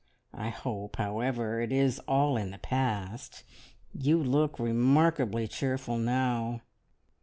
I hope, however, it is all in the past. You look remarkably cheerful now."